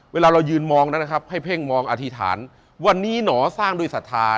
เวลาเรายืนมองนั้นนะครับให้เพ่งมองอธิษฐานวันนี้หนอสร้างด้วยศรัทธา